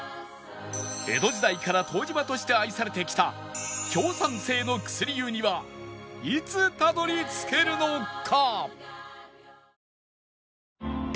江戸時代から湯治場として愛されてきた強酸性の薬湯にはいつたどり着けるのか？